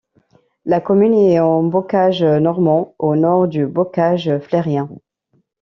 La commune est en Bocage normand, au nord du Bocage flérien.